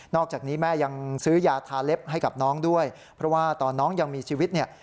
อกจากนี้แม่ยังซื้อยาทาเล็บให้กับน้องด้วยเพราะว่าตอนน้องยังมีชีวิตเนี่ย